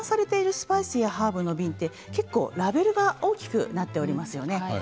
スパイスやハーブの瓶はラベルが大きくなっていますよね。